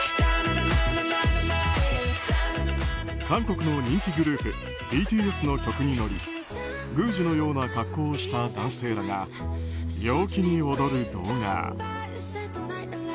韓国の人気グループＢＴＳの曲に乗り宮司のような格好をした男性らが陽気に踊る動画。